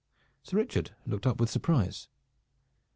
Sir Richard looked up with surprise.